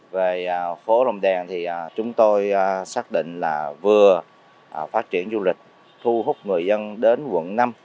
về phố rồng đèn thì chúng tôi xác định là vừa phát triển du lịch thu hút người dân đến quận năm